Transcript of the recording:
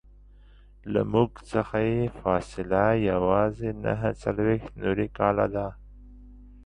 له موږ څخه یې فاصله یوازې نهه څلویښت نوري کاله ده.